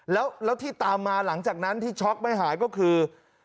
แล้วที่ตามมาหลังจากนั้นที่ช็อกไม่หายก็คือ